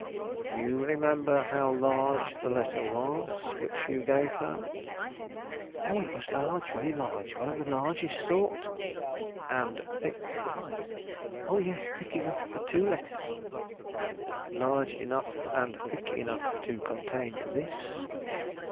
"You remember how large the letter was which you gave her?" "Oh, it was large, very large; one of the largest sort." "And thick?" "O yes; thick enough for two letters." "Large enough and thick enough to contain this?"